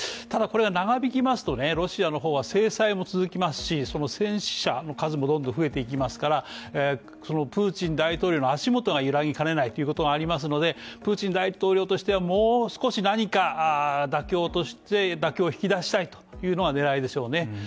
ただこれが長引きますとロシアの方は制裁も続きますし、戦死者の数もどんどん増えていきますから、プーチン大統領の足元が揺らぎかねないということがありますのでプーチン大統領としてはもう少し何か妥協を引き出したいというのが狙いでしょうね。